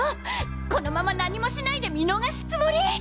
このまま何もしないで見逃すつもり！？